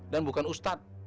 dan bukan ustaz